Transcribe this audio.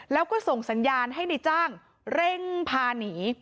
แล้วก็ส่งสัญญาณให้ในจ้างเร่งพาหนี